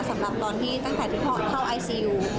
สำหรับตอนที่ตั้งแต่ที่เข้าไอซิล